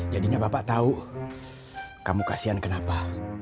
jadinya bapak tau kamu kasian kenapa